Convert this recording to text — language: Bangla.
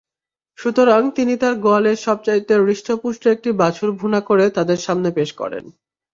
সুতরাং তিনি তার গোয়ালের সবচাইতে হৃষ্টপুষ্ট একটি বাছুর ভুনা করে তাদের সামনে পেশ করেন।